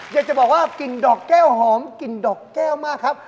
อยากจะบอกว่ากลิ่นดอกแก้วหอมกลิ่นดอกแก้วมากครับ